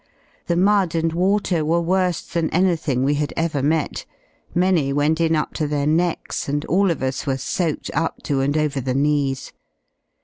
The mud and water were worse than anything we had ever met, many went in up to their necks, and all of us were soaked up to and over the knees.